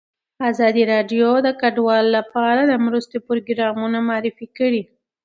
ازادي راډیو د کډوال لپاره د مرستو پروګرامونه معرفي کړي.